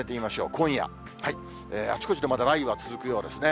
今夜、あちこちでまだ雷雨が続くようですね。